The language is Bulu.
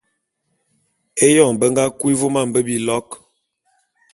Eyon be nga kui vôm a mbe bilok.